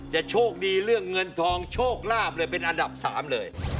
โชคดีเรื่องเงินทองโชคลาภเลยเป็นอันดับ๓เลย